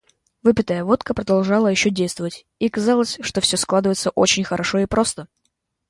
Выпитая водка продолжала еще действовать, и казалось, что все складывается очень хорошо и просто.